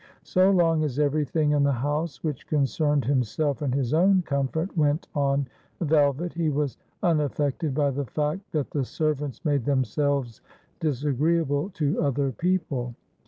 So long as everything in the house, which concerned himself and his own comfort, went on velvet, he was unaffected by the fact that the servants made themselves disagreeable to other people.